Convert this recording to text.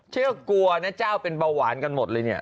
เชื่อกลัวนะเจ้าเป็นเบาหวานกันหมดเลยเนี่ย